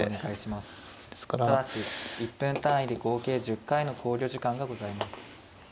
豊島九段１分単位で合計１０回の考慮時間がございます。